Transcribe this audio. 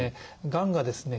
がんがですね